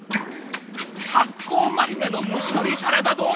発酵マリネの蒸し鶏サラダ丼？